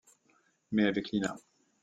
Mais avec Lina.